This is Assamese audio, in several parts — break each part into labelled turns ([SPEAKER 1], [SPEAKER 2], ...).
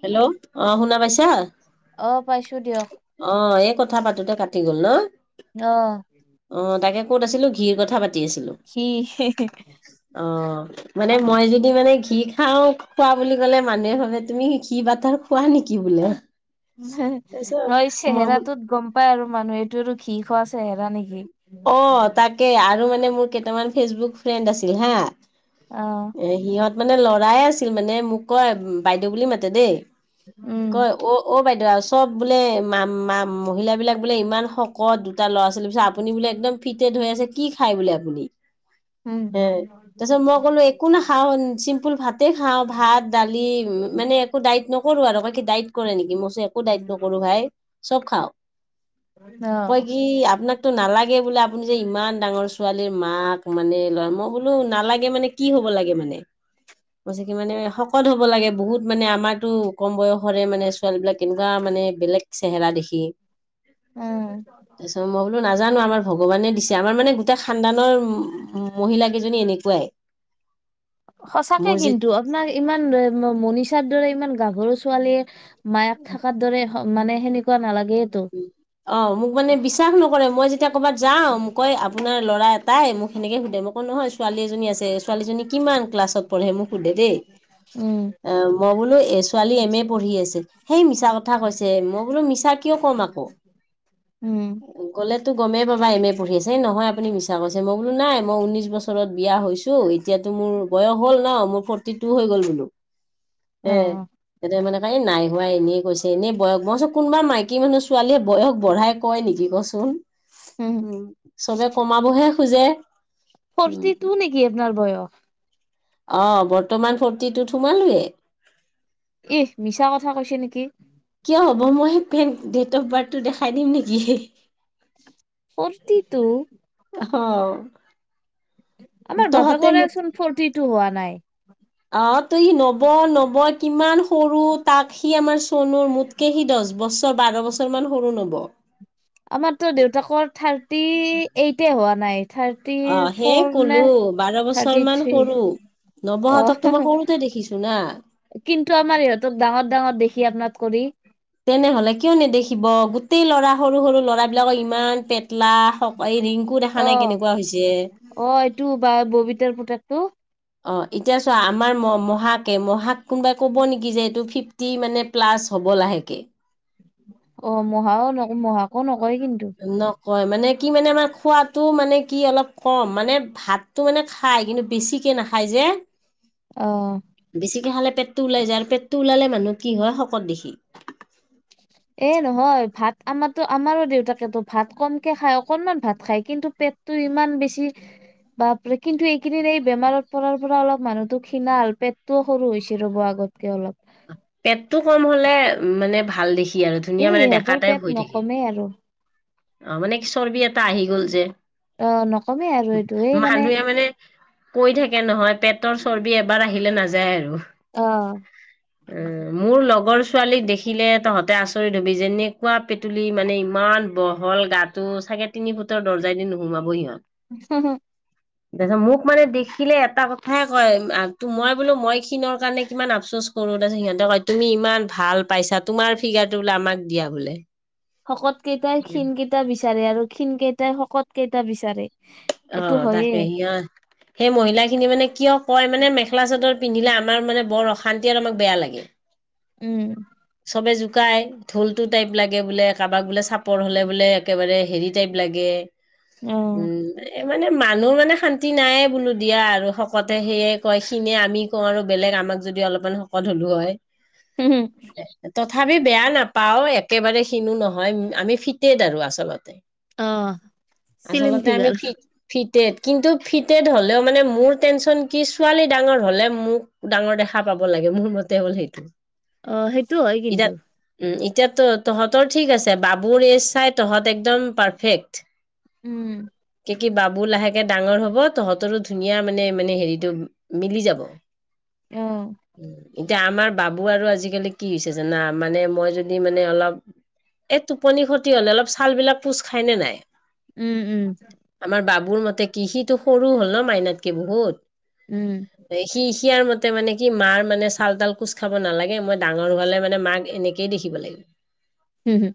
[SPEAKER 1] হেল্ল' অঁ শুনা পাইছা,
[SPEAKER 2] অ পাইছো দিয়ক
[SPEAKER 1] অঁ এই কথা কথা পাতোঁতে কাটি গ'ল ন।
[SPEAKER 2] অহ।
[SPEAKER 1] অ তাকে ক'ত আছিলো ঘিৰ কথা পাতি আছিলো
[SPEAKER 2] ঘি, হি হি
[SPEAKER 1] অ মানে মই যদি মানে ঘি খাও খোৱা বুলি ক'লে মানুহে ভাবে তুমি ঘি বাটাৰ খোৱা নেকি বোলে? তাৰপিছত
[SPEAKER 2] নহয়
[SPEAKER 1] মই বোলো
[SPEAKER 2] চেহেৰাটোত গম পাই আৰু মানুহে এইটোৱেটো আৰু ঘি খোৱা‌ চেহেৰা নেকি?
[SPEAKER 1] অঁ তাকে আৰু মানে ম মোৰ কেইটামান ফেচবুক ফ্ৰেন্ড আছিল হা
[SPEAKER 2] অ
[SPEAKER 1] এ সিহঁত মানে লৰাই আছিল মানে মোক কয়, বাইদেউ বুলি মাতে দেই।
[SPEAKER 2] উম
[SPEAKER 1] কয় অ' অ' বাইদেউ আছো চব বোলে মা মা মহিলাবিলাক বোলে ইমান শকত দুটা ল'ৰা ছোৱালীৰ পিছত আপুনি বোলে একদম ফিটেত হৈ আছে। কি খায় বোলে আপুনি?
[SPEAKER 2] উম
[SPEAKER 1] তাৰপিছত মই ক'লো একো নাখাওঁ চিম্পুল ভাতে খাওঁ ভাত দালি মানে একো ডাইট নকৰো আৰু বাকী দাইট কৰে নেকি মই কৈছো একো দাইট নকৰো ভাই চব খাওঁ।
[SPEAKER 2] অ
[SPEAKER 1] তই কি আপনাক টো নালাগে বোলে আপুনি যে ইমান ডাঙৰ ছোৱালীৰ মাক মানে, মই বোলো নালাগে মানে কি হব লাগে মানে কৈছে কি মানে শকত হব লাগে বহুত মানে আমাৰকো কম বয়সতে মানে ছোৱালীবিলাক কেনেকুৱা মানে বেলেগ চেহেৰা দেখি।
[SPEAKER 2] উম।
[SPEAKER 1] তাৰপিছত মই বোলো নাজানো আমাৰ ভগৱানে দিছে আমাৰ মানে গোটেই খানদানৰ মহিলা কেইজনী এনেকুৱাই।
[SPEAKER 2] সঁচাকে
[SPEAKER 1] মোৰ
[SPEAKER 2] কিন্তু
[SPEAKER 1] যে
[SPEAKER 2] আপোনাৰ ইমান মনিষা দৰে ইমান গাভৰু ছোৱালীয়ে মায়াক থকাৰ দৰে মানে সেনেকুৱা নালাগ
[SPEAKER 1] অ', মোক মানে বিশ্বাস নকৰে মই যে এতিয়া ক'বাত যাওঁ কৈ আপোনাৰ ল'ৰা তাই মোক সেনেকে সুধে মই কওঁ নহয় ছোৱালীজনী আছে। ছোৱালীজনী কিমান ক্লাছত পঢ়ে মোক সোধে দেই
[SPEAKER 2] উম
[SPEAKER 1] অ', মই বোলো এ ছোৱালী এম এ পঢ়ি আছে সেই মিছা কথা কৈছে মই বোলো মিছা কিয় কম আকৌ,
[SPEAKER 2] উম
[SPEAKER 1] গ'লে ত গমেই পাবাম এম এ পঢ়িছে, নহয় আপুনি মি ডাঙৰ যে, নাই মই ঊন্নিছ বছৰত বিয়া হৈছো এ এতিয়াতো মোৰ বয়স হ'ল ন' মোৰ ফৰটি মোৰ হৈ গ'ল বোলো। সে
[SPEAKER 2] অ
[SPEAKER 1] এতিয়া মানে নাই হোৱাই এনেই কৈছে, এনে বয়স মই কোনোবা মাই বাকী মানুহ ছোৱালীয়ে বয়স বঢ়াই কয় নেকি কচোন। উম, চবে কমাবহে খোজে উম
[SPEAKER 2] ফৰ্তি তু নেকি আপোনাৰ বয়স?
[SPEAKER 1] অ', বৰ্তমান ফ'ৰ্তিটুত সোমালোৱে।
[SPEAKER 2] ইহ মিছা কথা কৈছে নেকি?
[SPEAKER 1] কিয় হ'ব মই হেন ডেট অফ বাৰ্থটো দেখাই দিম নেকি?
[SPEAKER 2] Forty two.
[SPEAKER 1] অ'।
[SPEAKER 2] আমাৰ বাপা
[SPEAKER 1] তহঁতে
[SPEAKER 2] কৰে
[SPEAKER 1] মোক
[SPEAKER 2] ছোন ফটি টো হোৱা নাই।
[SPEAKER 1] অ', তই নব নব কিমান সৰু তাক সি আমাৰ চনুৰ মোতকে সি দছ বছ ৰ বাৰ বছৰ মান সৰু নব।
[SPEAKER 2] সি এইটে হোৱা নাই। থাৰ্টি
[SPEAKER 1] অ সেই
[SPEAKER 2] ফ'ৰ নে
[SPEAKER 1] কলো বাৰ বছৰ
[SPEAKER 2] থাৰ্টি
[SPEAKER 1] মান
[SPEAKER 2] থ্ৰী
[SPEAKER 1] সৰু নৱহঁতক তোমাৰ
[SPEAKER 2] অ',
[SPEAKER 1] সৰুতে দেখিছো না
[SPEAKER 2] কিন্তু আমাৰ ইহঁতক ডাঙৰ, ডাঙৰ দেখ কি আপনাত কৰি
[SPEAKER 1] তেনেহলে কিয় নেদেখিব গোটেই ল'ৰা সৰু সৰু ল'ৰাবিলাক ইমান পেট তলা, এই ৰিংকু দেখা
[SPEAKER 2] অ
[SPEAKER 1] নাই কেনেকুৱা হৈছে।
[SPEAKER 2] টো
[SPEAKER 1] অ', এতিয়া চোৱা আমাৰ ম মহাকে-মহাকে কোনোবাই ক'ব নেকি যে এইটো ফিফটি মানে প্লাছ হব লাহেকে।
[SPEAKER 2] অ', মহাও ন মহাকো নক হয় কিন্তু।
[SPEAKER 1] কয় মানে কি মানে আমাৰ খোৱাটো মানে কি অলপ কম মানে ভাতটো মানে খাই কিন্তু বেছিকে নাখায় যে।
[SPEAKER 2] অ
[SPEAKER 1] বেছিকে খালে পেটটো উলাই যায় আৰু পেটটো ওলালে মানুহ কি হয় শকত দেখি।
[SPEAKER 2] এ নহয় ভাত আমাৰতো আমাৰো দেউতাকেতো ভাত কমকে খাই অকনমান ভাত খাই কিন্তু পেটটো ইমান বেছি, বাপৰে কিন্তু এইখিনি এই বেমাৰত পৰাৰ পৰা অলপ মানুহতো ক্ষীনাল হল পেটটোও সৰু হৈছে ৰ'ব আগতকে অলপ।
[SPEAKER 1] পেটটো কম হ'লে মানে ভাল দেখি। কি আৰু ধুনীয়া
[SPEAKER 2] এই
[SPEAKER 1] মানে ডেকা
[SPEAKER 2] ইহঁতৰ
[SPEAKER 1] টাইপ
[SPEAKER 2] পেট
[SPEAKER 1] হৈ থাকে।
[SPEAKER 2] নকমেই আৰু
[SPEAKER 1] অ', মানে চৰ্বি এটা আহি গ'ল যে।
[SPEAKER 2] অ নকমেই আৰু এইটো এই
[SPEAKER 1] মানুহে মানে, কৈ থাকে নহয়। পেটৰ চৰ্বি এবাৰ আহিলে নাযায় আৰু।
[SPEAKER 2] অ',
[SPEAKER 1] এ মোৰ লগৰ ছোৱালীক দেখিলে তহঁতে আচৰিত হবি যেনেকুৱা পেটুলি মানে ইমান বহল গাটো চাগে তিনি ফুট তোৰ দৰজাই দি নোসোমাব সিহঁত। তাৰপাছত মোক মানে দেখিলে এটা কথাই কয় ত' মই বোলো মই খিনৰ কাৰণে কিমান আপচোচ কৰোঁ তাৰপিছত সিহঁতে ক তুমি ইমান ভাল পাইছা তোমাৰ ফিগাৰটো বোলে আমাক দিয়া বোলে।
[SPEAKER 2] শকত কেইটাই ক্ষীণ কেইটা বি তাৰে আৰু ক্ষীণ কেইটা শকত কেইটা বিচাৰে।
[SPEAKER 1] অ,
[SPEAKER 2] এইটো হয়ে
[SPEAKER 1] তাকে সিহ সেই মহিলা খিনি মানে কিয় কয় মানে মেখেলা চাদৰ পিন্ধিলে আমাৰ মানে বৰ অশান্তি আৰু আমাক বেয়া লাগে।
[SPEAKER 2] উম,
[SPEAKER 1] চবে জোকাই ঢোলটো টাইব লাগে বোলে কাবাক বোলে চাপ চাপৰ হ'লে বোলে একেবাৰে হেৰি টাইপ লাগে।
[SPEAKER 2] অ
[SPEAKER 1] উম, এ মানে মানুহ মানে মানে শান্তি নায়ে বোলো দিয়া আৰু শকতে সেয়ে কয় ক্ষীণে আমি কওঁ আৰু বেলেগ আমাক যদি অলপমান শকত হলো হয়
[SPEAKER 2] উম, হম।
[SPEAKER 1] তথাপি বেয়া নাপাওঁ একেবাৰে খিনো নহয় আমি ফিটেড আৰু আচলতে।
[SPEAKER 2] অ, চিলিম ফিগাৰ।
[SPEAKER 1] টেড কিন্তু ফিটেড হ'লেও মানে মোৰ টেনচন কি ছোৱালী ডাঙৰ হ'লে মোক ডাঙৰ দেখা পাব লাগে মোৰ মতে হ'ল সেইটো।
[SPEAKER 2] অ, সেইটো হয় কিন্তু।
[SPEAKER 1] এতিয়াটো তহঁতৰ ঠিক আছে, বাবুৰ এজ চাই তহঁত একদম পাৰফেক্ট।
[SPEAKER 2] উম।
[SPEAKER 1] কি কি বাবু লাহেকে ডাঙৰ হ'ব তহঁতৰো ধুনীয়া মানে মানে হেৰিটো মিলি যাব।
[SPEAKER 2] অ
[SPEAKER 1] উম। এতিয়া আমাৰ বাবু আৰু আজিকালি কি হৈছে জানা মানে মই যদি মানে অলপ এই টোপনি ক্ষতি হ'লে অলপ ছালবিলাক কোচ খাইনে নাই?
[SPEAKER 2] উম, উম।
[SPEAKER 1] মোৰ মতে কি সিটো সৰু হ'ল ন' মাইনাতকে বহুত।
[SPEAKER 2] উম
[SPEAKER 1] বেখিত। ইয়াৰ মতে মানে কি মাৰ মানে চাল তাল কোচ খাব নালাগে মই ডাঙৰ হোৱালে মানে মাক এনেকেই দেখিব লাগিব।
[SPEAKER 2] হম হম।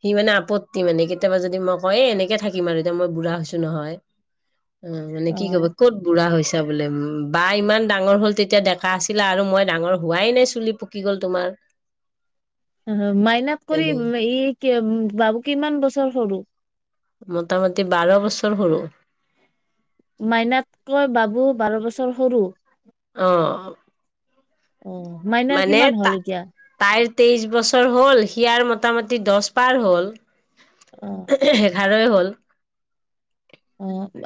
[SPEAKER 1] সি মানে আপত্তি মানে কেতিয়াবা যদি মই কয় এ এনেকে থাকিম আৰু এতিয়া মই বুঢ়া হৈছো নহয়। অ মানে কি ক'ব
[SPEAKER 2] হম
[SPEAKER 1] ক'ত বুঢ়া হৈছে। য়া বোলে উহ বা ইমান ডাঙৰ হ'ল তেতিয়া ডেকা আছিলা আৰু মই ডাঙৰ হোৱাই নাই চুলি পকিব কি গ'ল তোমাৰ।
[SPEAKER 2] ওহোঁ মাইনাক কৰি
[SPEAKER 1] এনে
[SPEAKER 2] এই কি ওম বাবু কিমান বছৰ সৰু।
[SPEAKER 1] মোটামটি বাৰ বছৰ সৰু।
[SPEAKER 2] মাইনাতকৈ বাবু বাৰ বছৰ সৰু।
[SPEAKER 1] অঁ।
[SPEAKER 2] অহ মাইনাৰ কিমান হ'ল এতিয়া?
[SPEAKER 1] তাইৰ তেইশ বছৰ হ'ল সিয়াৰ মোটামুটি দহ পাৰ হ'ল।
[SPEAKER 2] অ
[SPEAKER 1] সেইকাৰ ভালে হ'ল।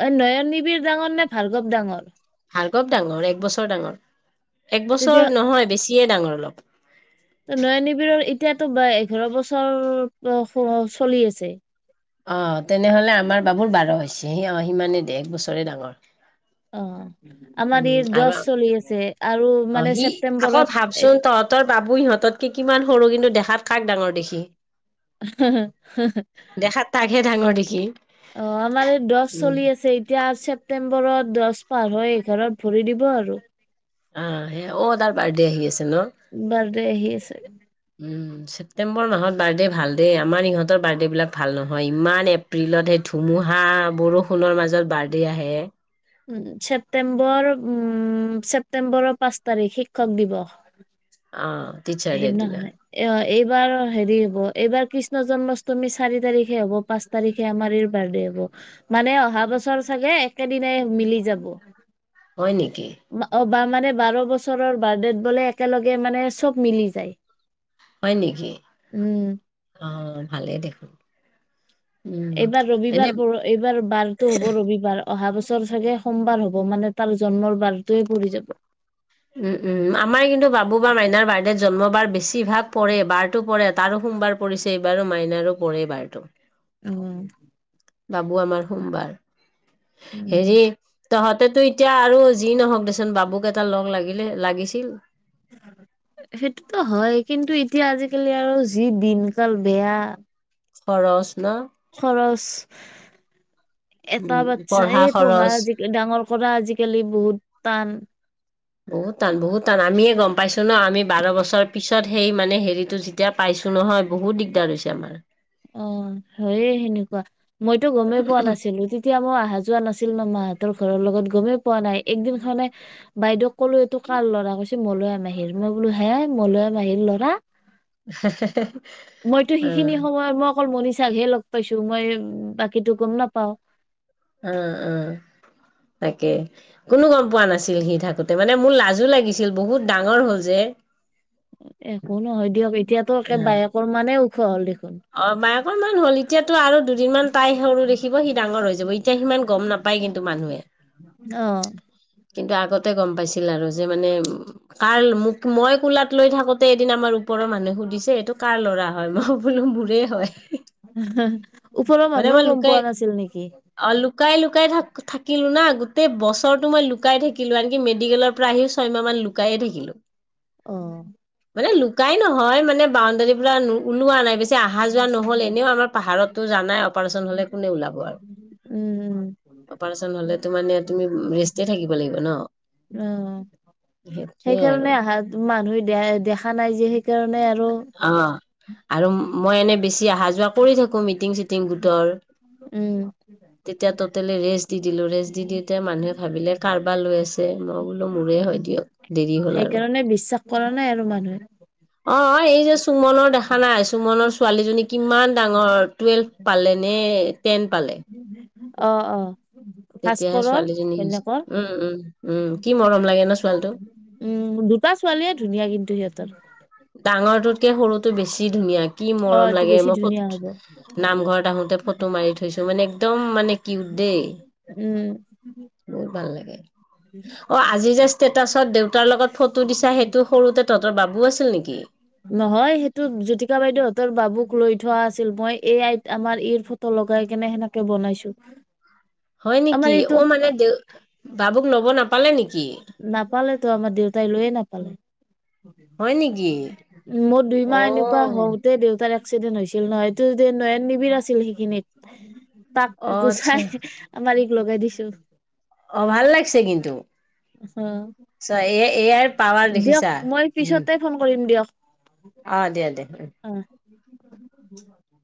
[SPEAKER 2] অই নয়ন নিবিৰ ডাঙৰ নে ভাৰ্গৱ ডাঙৰ?
[SPEAKER 1] ভাৰ্গৱ ডাঙৰ, এক বছৰ ডাঙৰ। এক বছৰ
[SPEAKER 2] তেতিয়া
[SPEAKER 1] নহয় বেছ ছিয়ে ডাঙৰ অলপ।
[SPEAKER 2] অ নয়ন নিবিৰৰ এতিয়াতো বা এঘাৰ বছৰৰ চলি আছে।
[SPEAKER 1] অহ তেনেহ'লে আমাৰ বাবুৰ বাৰ হৈছে অহ সিমানেই দেহ এক বছৰে ডাঙৰ।
[SPEAKER 2] অহ।
[SPEAKER 1] উম আৰু
[SPEAKER 2] আৰু
[SPEAKER 1] আ
[SPEAKER 2] মানে
[SPEAKER 1] সি আকৌ
[SPEAKER 2] ছেপ্তেম্বৰত
[SPEAKER 1] ভাবচোন তহঁতৰ বাবু সিহঁতত কি কিমান সৰু কিন্তু দেখাত কাক ডাঙৰ দেখি
[SPEAKER 2] হা‌ হা [unintelligible]
[SPEAKER 1] দেখাত তাকহে ডাঙৰ দেখি
[SPEAKER 2] অ আমাৰ এই দছ
[SPEAKER 1] উম
[SPEAKER 2] চলি আছে এতিয়া ছেপ্তেম্বৰ নৱেম্বৰ দহ বাৰ এঘাৰত ভৰি দিব আৰু
[SPEAKER 1] আহ সে অ তাৰ বাৰ্থডে আহি আছে ন
[SPEAKER 2] বাৰ্থডে দে আহি আছে
[SPEAKER 1] ছেপটেম্বৰ মাহত বাৰ্থডে ভাল দেই আমাৰ ইহঁতৰ বাৰ্থডে বিলাক ভাল নহয় ইমান এপ্ৰিলত সেই ধুমুহা বৰষুণৰ মাজত বাৰ্থডে আহে
[SPEAKER 2] উ ছেপ্তেম্বৰ উম ছেপ্তেম্বৰৰ পাঁচ তাৰিখ শিক্ষক দিৱস
[SPEAKER 1] অঁ
[SPEAKER 2] সেই দিনা হোৱা নাই অ এই এইবাৰ হেৰি হব এইবাৰ কৃষ্ণ জন্মাষ্টমী চাৰি তাৰিখে হব পাঁচ তাৰিখে আমাৰ বাৰ্থডে হব মানে অহা বছৰ চাগে একেদিনাই মিলি যাব
[SPEAKER 1] হয় নেকি
[SPEAKER 2] অ বা মানে বাৰ বছৰৰ বাৰ্থড বোলে একেলগে মানে মিলি যায়
[SPEAKER 1] হয় নেকি
[SPEAKER 2] উম
[SPEAKER 1] অ ভালেই দেখোন উম
[SPEAKER 2] এইবাৰ
[SPEAKER 1] এনে
[SPEAKER 2] ৰবিবাৰ পৰ এইবাৰ বাৰতটো হব ৰবিবাৰ অহা বছৰ চাগে সোমবাৰ হ'ব মানে তাৰ জন্মৰ বাৰটোৱে পৰি যাব অহ
[SPEAKER 1] উম উম আমাৰ কিন্তু বাবু বা মাইনাৰ বাৰ্থডেত জন্ম বাৰ বেছিভাগ পৰে বাৰটো পৰে তাৰো সোমবাৰ পৰিছে এইবাৰো মাইনাৰো পৰে বাৰটো
[SPEAKER 2] উম
[SPEAKER 1] বাবো আমাৰ সোমবাৰ
[SPEAKER 2] উম
[SPEAKER 1] হেৰি তহঁতেতো এতিয়া আৰু যি নহওক দেচোন বাবুক এটা লগ লাগে লাগিলে লাগিছিল
[SPEAKER 2] সেইটোতু হয় কিন্তু এতিয়া আজিকালি আৰু যি দিনকাল বেয়া
[SPEAKER 1] খৰচ ন
[SPEAKER 2] খৰচ এটা
[SPEAKER 1] উম,
[SPEAKER 2] বাচ্ছাই পঢ়া
[SPEAKER 1] খৰচ
[SPEAKER 2] ডাঙৰ কৰা আজিকালি বহুত তান
[SPEAKER 1] বহুত টান বহুত টান আমিয়ে গম পাইছো ন আমি বাৰ বছৰ পিছত সেই মানে হেৰিটো যেতিয়া পাইছো নহয় বহুত দিগদাৰ হৈছে আমাৰ
[SPEAKER 2] অ হয়ে সেনেকুৱা মইতো গমেই পোৱা নাছিলো তেতিয়া মই অহা যোৱা নাছিল না মাত তৰ ঘৰৰ লগত গমেই পোৱা নাই একদিন খনে বাইদেউক ক'লো এইটো কাৰ ল'ৰা কৈছে মলয় মাহীৰ মই বোলো হে মলয় মাহীৰ ল'ৰা
[SPEAKER 1] হেহ হেহ উম
[SPEAKER 2] সময় মই অকল মণীষা [unintelligible] লগ পাইছো মই বাকীটো গম নাপাও।
[SPEAKER 1] অ', অ তাকে। কোনো গম পোৱা নাছিল সি থাক গোতে মানে মোৰ লাজো লাগিছিল বহুত ডাঙৰ হ'ল যে-
[SPEAKER 2] একো নহয় দিয়ক এতিয়াতো একে বায়েকৰ মানে উখ ওখ হ'ল দেখ
[SPEAKER 1] অবায়েকৰ মান হল এতিয়াতো আৰু দুদিনমান তাই সৰু দেখিব সি ডাঙৰ হৈ যাব ইত এতিয়া সিমান গম নাপ পাই কিন্তু মানুহে।
[SPEAKER 2] অ
[SPEAKER 1] কিন্তু আগতে গম পাইছিল আৰু যে, মানে কাৰ মোক মই কোলাত লৈ থাকোতে এদিন আমাৰ ওপৰৰ মানুহে সুধিছে সেইটো কাৰ ল'ৰা হয় মই বোলো মোৰে হয়।
[SPEAKER 2] ওপৰৰ মানুহো গম পোৱা নাছিল নেকি?
[SPEAKER 1] লুকাই-লুকাই থাক থাকিলোঁ না, গোটেই বছৰটো মই লু লুকাই থাকিলোঁ আনকি মেডিকেলৰ পৰা আহি ছয় মাহ মান লুকায়ে থাকিলোঁ।
[SPEAKER 2] অ',
[SPEAKER 1] মানে লুকাই নহয় মানে বাউণ্ডাৰী পৰা ওলোৱা নাই। যে আহা যাৱা নহ'লে এনেও আমাৰ পহাৰততো জানাই অপাৰেশ্যন হ'লে কোনে ওলাব আৰু,
[SPEAKER 2] উম
[SPEAKER 1] অপাৰেশ্যন হ'লেতো মানে তুমি ৰেষ্টটে
[SPEAKER 2] উম,
[SPEAKER 1] সেইটোয়ে আৰু
[SPEAKER 2] সেইকাৰণে আহা মানুহে দে দেখা নাই যে সেইকাৰণে আৰু
[SPEAKER 1] অ আৰু মই এনে বেছি আহা যাৱা কৰি থাকোঁ মিটিং চিটিং গোটৰ।
[SPEAKER 2] উম
[SPEAKER 1] তেতিয়া টটেলি ৰেষ্ট দি দিলোঁ, ৰেষ্ট যিহেতু এতিয়া মানুহে ভাবিলে কাৰবা লৈ আহিছে মই বোলো মোৰে হয় দিয়ক। দেৰি হ'ল আৰু
[SPEAKER 2] সেইকাৰণে বিশ্বাস কৰা নাই আৰু মানুহে।
[SPEAKER 1] অ' এই যে সুমনৰ দেখা নাই সুমনৰ ছোৱালীজনী কিমান ডাঙৰ টুৱেল্ভ পালে নে টেন পালে।
[SPEAKER 2] অ' অ'।
[SPEAKER 1] তেতিয়াহে
[SPEAKER 2] ভাস্কৰৰ
[SPEAKER 1] ছোৱালীজনী নিছে।
[SPEAKER 2] ঘৈণীয়েকৰ
[SPEAKER 1] উম' উম' উম' কি মৰম লাগে ন ছোৱালীটো।
[SPEAKER 2] উম' দুটা ছোৱালীয়ে ধুনীয়া কিন্তু সিহঁতৰ তৰ।
[SPEAKER 1] ডাঙৰটোতকে সৰুটো বেছি ধুনীয়া। কি
[SPEAKER 2] অ
[SPEAKER 1] মৰম
[SPEAKER 2] এইটো
[SPEAKER 1] লাগে
[SPEAKER 2] বেছি ধুনীয়া হ'ব
[SPEAKER 1] মই নামঘৰত আহোঁতে। ফটো মাৰি থৈছোঁ, মানে একদম মানে কিউট দেই।
[SPEAKER 2] উম'।
[SPEAKER 1] বহুত ভাল লাগে। অ' আজি যে ষ্টেটাচত দেউতাৰ লগত ফটো দিছা, সেইটো সৰুতে তহতৰ বাবু আছিল নেকি? নেকি
[SPEAKER 2] নহয় সেইটো জ্যোতিকা বাইদেউহঁতৰ বাবুক লৈ থোৱা আছিল, মই এই আইত আমাৰ ইৰ ফটো লগাই কেনে সেনেকে বনাইছোঁ।
[SPEAKER 1] হয় নেকি অ' মানে দে বাবুক ল'ব নাপালে নে
[SPEAKER 2] নাপালেটো, আমাৰ দেউতাই লৈয়ে নাপালে।
[SPEAKER 1] হয় নেকি
[SPEAKER 2] মোৰ দুই
[SPEAKER 1] অ
[SPEAKER 2] মাহ এনেকুৱা হওঁতে দেউতাৰে এক্সিডেণ্ট হৈছিল নহয়, সেইটো নয়ন নিবিৰ আছিল সিখিনিত।
[SPEAKER 1] অ
[SPEAKER 2] তাক
[SPEAKER 1] আচ্ছা
[SPEAKER 2] গোচাই আমাৰ লগাই দিছো।
[SPEAKER 1] অ', ভাল লাগিছে কিন্তু।
[SPEAKER 2] অ',
[SPEAKER 1] চ এ এয়াৰ পাৱাৰ
[SPEAKER 2] দিয়ক
[SPEAKER 1] দেখিছা
[SPEAKER 2] মই
[SPEAKER 1] উম
[SPEAKER 2] পিছতে ফোন কৰিম দিয়ক।
[SPEAKER 1] অ', দিয়া, দিয়া উম।
[SPEAKER 2] [inaudible]